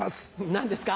何ですか？